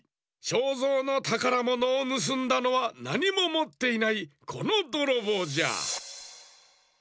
ショーゾーのたからものをぬすんだのはなにももっていないこのどろぼうじゃ。